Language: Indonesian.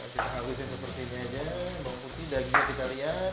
kita habisin seperti ini aja bawang putih dagingnya kita lihat